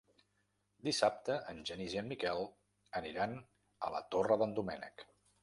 Dissabte en Genís i en Miquel aniran a la Torre d'en Doménec.